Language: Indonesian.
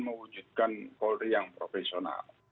mewujudkan polri yang profesional